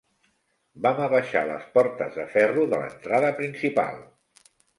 Vam abaixar les portes de ferro de l'entrada principal